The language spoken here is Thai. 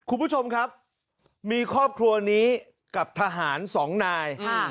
คุณผู้ชมครับมีครอบครัวนี้กับทหารสองนาย